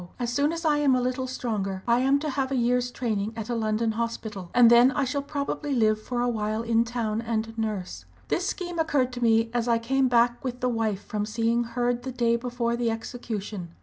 As soon as I am a little stronger I am to have a year's training at a London hospital, and then I shall probably live for a while in town and nurse. This scheme occurred to me as I came back with the wife from seeing Hurd the day before the execution.